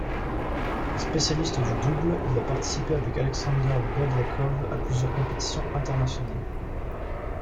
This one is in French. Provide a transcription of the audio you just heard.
Spécialiste du double, il a participé avec Aleksandr Belyakov à plusieurs compétitions internationales.